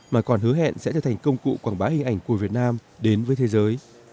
mà còn hứa hẹn sẽ trở thành công cụ quảng bá hình ảnh của việt nam đến với thế giới